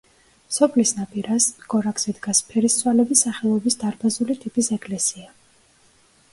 სოფლის ნაპირას, გორაკზე დგას ფერისცვალების სახელობის დარბაზული ტიპის ეკლესია.